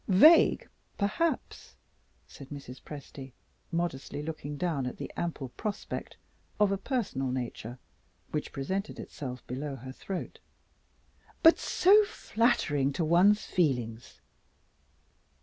Vague, perhaps," said Mrs. Presty, modestly looking down at the ample prospect of a personal nature which presented itself below her throat, "but so flattering to one's feelings.